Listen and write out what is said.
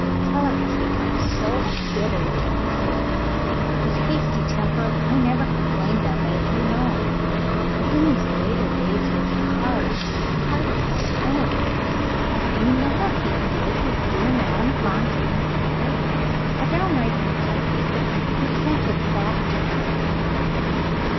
"Keller has become so bitter," he said. "His hasty temper I never complained of, as you know. But in these later days he is hard hard as stone. Do you know what he did with dear Madame Fontaine's letter? A downright insult, David he sent it back to her!"